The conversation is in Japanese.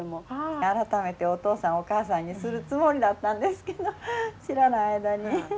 改めてお父さんお母さんにするつもりだったんですけど知らない間に。